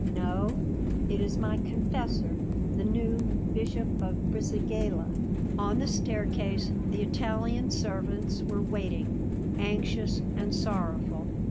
"No; it is my confessor, the new Bishop of Brisighella." On the staircase the Italian servants were waiting, anxious and sorrowful.